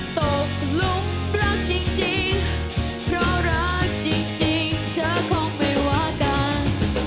ตกลุมรักจริงเพราะรักจริงเธอคงไม่ว่ากัน